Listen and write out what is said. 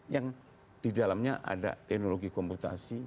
yang di dalamnya ada teknologi komputasi